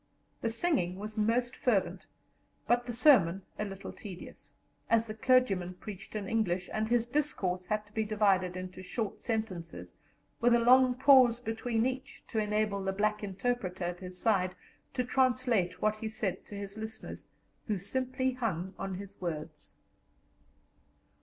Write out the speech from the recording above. The singing was most fervent, but the sermon a little tedious, as the clergyman preached in English, and his discourse had to be divided into short sentences, with a long pause between each, to enable the black interpreter at his side to translate what he said to his listeners, who simply hung on his words.